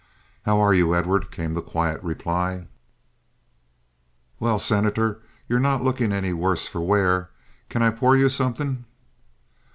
"How are you, Edward?" came the quiet reply. "Well, Senator, you're not looking any the worse for wear. Can I pour you something?"